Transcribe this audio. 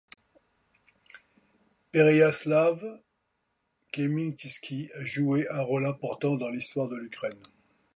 Pereiaslav-Khmelnytskyï a joué un rôle important dans l'histoire de l'Ukraine.